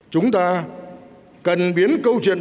chúng ta cần biến câu chuyện